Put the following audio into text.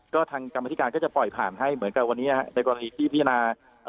ก็ทางกรรมธิการก็จะปล่อยผ่านให้เหมือนกับวันนี้ในกรณีที่พิจารณา